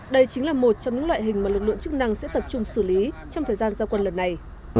đây chính là một trong những loại hình mà lực lượng chức năng sẽ tập trung xử lý trong thời gian giao quân lần này